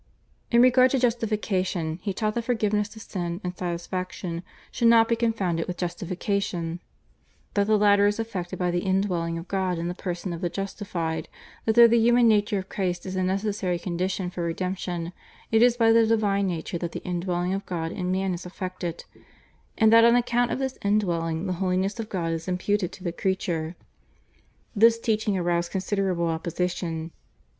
In regard to Justification he taught that forgiveness of sin and satisfaction should not be confounded with Justification, that the latter is effected by the indwelling of God in the person of the justified, that though the human nature of Christ is a necessary condition for redemption it is by the divine nature that the indwelling of God in man is effected, and that on account of this indwelling the holiness of God is imputed to the creature. This teaching aroused considerable opposition.